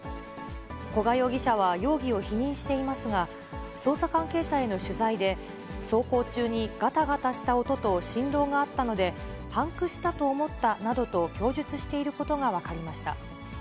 古賀容疑者は容疑を否認していますが、捜査関係者への取材で、走行中にがたがたした音と振動があったので、パンクしたと思ったなどと供述していることが分かりました。